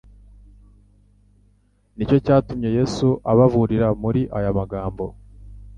Nicyo cyatumye Yesu ababurira muri aya magambo